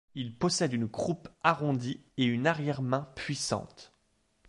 Il possède une croupe arrondie et une arrière-main puissante.